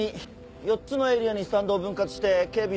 ４つのエリアにスタンドを分割して警備を行う。